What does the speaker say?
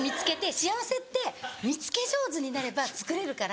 幸せって見つけ上手になればつくれるから。